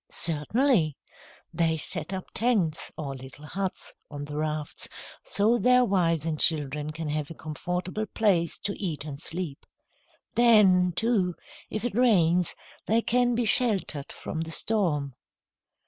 "Certainly. They set up tents, or little huts, on the rafts, so their wives and children can have a comfortable place to eat and sleep. Then, too, if it rains, they can be sheltered from the storm."